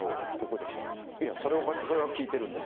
それを聞いているんです。